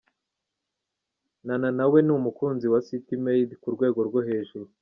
Nana nawe ni umukunzi wa City Maid ku rwego ryo hejuru.